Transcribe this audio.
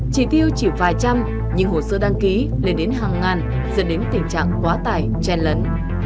chỉ tiêu chỉ vài trăm nhưng hồ sơ đăng ký lên đến hàng ngàn dẫn đến tình trạng quá tải chen lấn